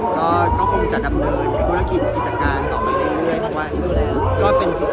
ก็คงจะดำเนินภูติธิศการต่อไปอย่างนี้